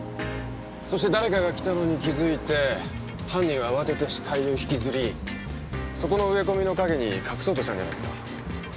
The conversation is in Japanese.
そして誰かが来たのに気づいて犯人は慌てて死体を引きずりそこの植え込みの陰に隠そうとしたんじゃないですか？